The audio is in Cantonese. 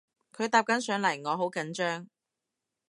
佢搭緊上嚟我好緊張